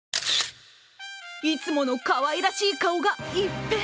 いつものかわいらしい顔が一変。